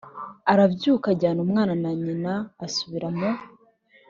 Arabyuka ajyana umwana na nyina asubira mu